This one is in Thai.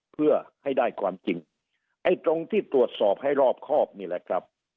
เพื่อให้ได้ความจริงไอ้ตรงที่ตรวจสอบให้รอบครอบนี่แหละครับ